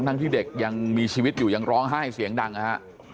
ที่เด็กยังมีชีวิตอยู่ยังร้องไห้เสียงดังนะฮะ